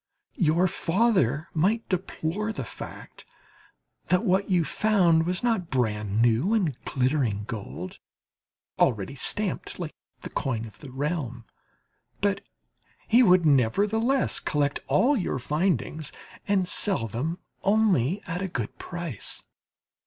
Your father might deplore the fact that what you found was not brand new and glittering gold, already stamped like the coin of the realm; but he would, nevertheless, collect all your findings and sell them only at a good price.